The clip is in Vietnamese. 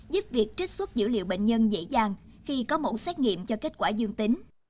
giúp việc trích xuất dữ liệu bệnh nhân dễ dàng khi có mẫu xét nghiệm cho kết quả dương tính